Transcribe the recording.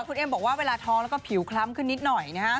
คุณเอ็มบอกว่าเวลาท้องแล้วก็ผิวคล้ำขึ้นนิดหน่อยนะครับ